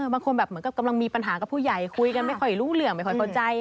บางคนกำลังมีปัญหากับผู้ใหญ่คุยกันไม่ค่อยรุ่งเหลืองไม่ค่อยเข้าใจ